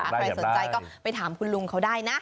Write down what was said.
ใครสนใจก็ไปถามคุณลุงเขาได้นะ